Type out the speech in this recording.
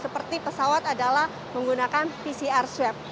seperti pesawat adalah menggunakan pcr swab